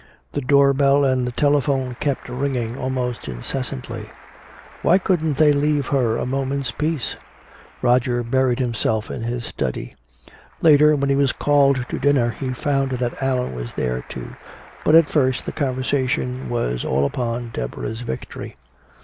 The door bell and the telephone kept ringing almost incessantly. Why couldn't they leave her a moment's peace? Roger buried himself in his study. Later, when he was called to dinner, he found that Allan was there, too, but at first the conversation was all upon Deborah's victory.